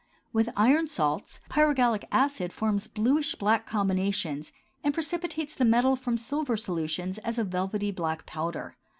With iron salts, pyrogallic acid forms bluish black combinations and precipitates the metal from silver solutions as a velvety black powder.